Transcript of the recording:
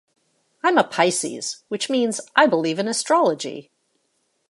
I'm a Pisces, which means I believe in astrology.